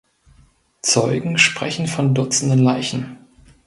Zeugen sprechen von Dutzenden Leichen.